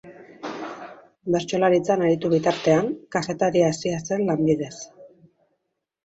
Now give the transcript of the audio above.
Bertsolaritzan aritu bitartean, kazetari hasia zen lanbidez.